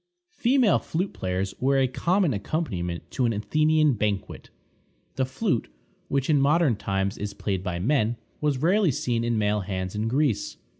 Female flute players were a common accompaniment to an Athenian banquet. The flute, which in modern times is played by men, was rarely seen in male hands in Greece.